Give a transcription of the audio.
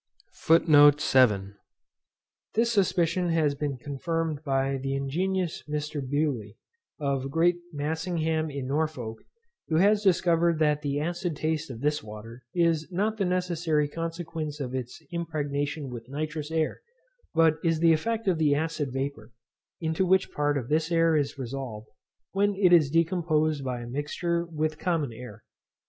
This suspicion has been confirmed by the ingenious Mr. Bewley, of Great Massingham in Norfolk, who has discovered that the acid taste of this water is not the necessary consequence of its impregnation with nitrous air, but is the effect of the acid vapour, into which part of this air is resolved, when it is decomposed by a mixture with common air.